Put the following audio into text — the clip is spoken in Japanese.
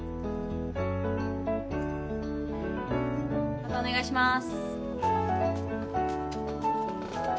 またお願いします。